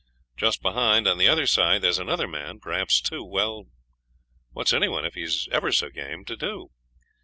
Just behind, on the other side, there's another man perhaps two. Well, what's any one, if he's ever so game, to do?